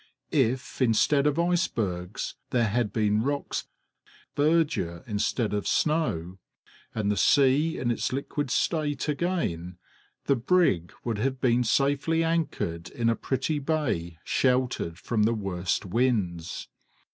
If instead of icebergs there had been rocks, verdure instead of snow, and the sea in its liquid state again, the brig would have been safely anchored in a pretty bay sheltered from the worst winds.